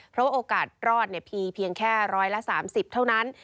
เพราะว่าโอกาสรอดเนี่ยมีเพียงแค่ร้อยละสามสิบเท่านั้น